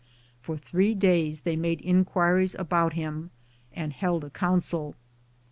For three days they made inquiries about him and held a council.